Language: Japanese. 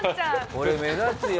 これ目立つよ。